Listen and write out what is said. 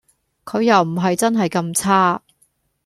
佢又唔係真係咁差